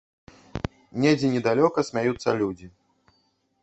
Недзе недалёка смяюцца людзі.